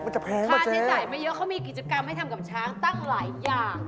จะแพงค่าใช้จ่ายไม่เยอะเขามีกิจกรรมให้ทำกับช้างตั้งหลายอย่าง